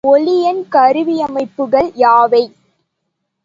ஒளியன் கருவியமைப்புகள் யாவை?